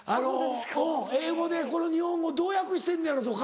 英語でこの日本語どう訳してんねやろ？とか。